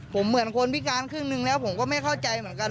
ผมเหมือนคนพิการครึ่งหนึ่งแล้วผมก็ไม่เข้าใจเหมือนกัน